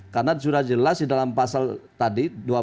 karena sudah jelas di dalam pasal tadi